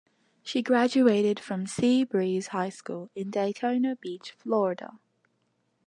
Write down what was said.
She graduated from Seabreeze High School in Daytona Beach, Florida.